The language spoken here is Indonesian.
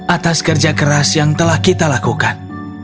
atas kerja keras yang telah kita lakukan